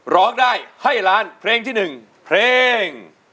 ร้องได้ให้ล้านเพลงที่๑เพลง